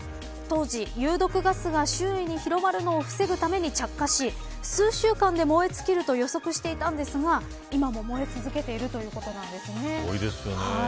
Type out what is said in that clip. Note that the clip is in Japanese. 当時、有毒ガスが周囲に広まるのを防ぐために着火し数週間で燃え尽きると予測していたんですが今も燃え続けているすごいですね。